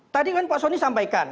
tadi kan pak soni sampaikan